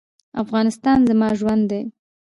افغانستان زما ژوند دی